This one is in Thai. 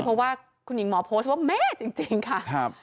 เพราะว่าคุณหญิงหมอโพสต์ว่าแม่จริงค่ะ